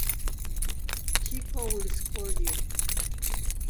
Chico Will Scold You!